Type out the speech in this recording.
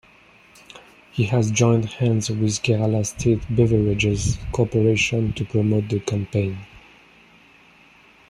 He has joined hands with Kerala State Beverages Corporation to promote the campaign.